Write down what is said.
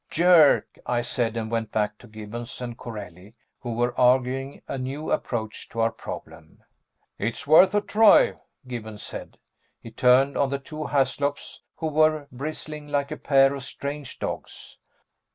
"Jerk," I said, and went back to Gibbons and Corelli, who were arguing a new approach to our problem. "It's worth a try," Gibbons said. He turned on the two Haslops, who were bristling like a pair of strange dogs.